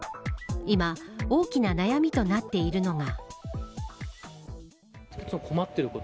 今、大きな悩みとなっているのが。